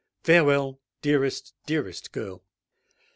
Farewell—dearest, dearest girl!"